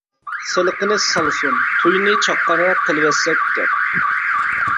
«سېلىقىنى سالسۇن، تويىنى چاققانراق قىلىۋەتسەك» دەپ.